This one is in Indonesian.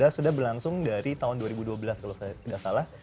sudah berlangsung dari tahun dua ribu dua belas kalau saya tidak salah